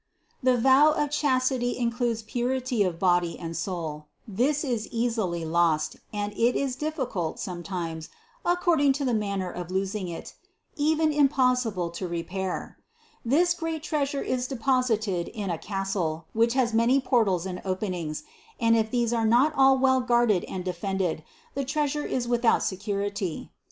The vow of chastity includes purity of body and soul; this is easily lost, and it is difficult, sometimes, ac cording to the manner of losing it, even impossible to re pair. This great treasure is deposited in a castle, which has many portals and openings, and if these are not all well guarded and defended, the treasure is without secur ity.